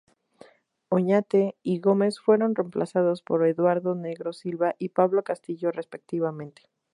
Oñate y Gómez fueron reemplazados por Eduardo Negro Silva y Pablo Castillo, respectivamente.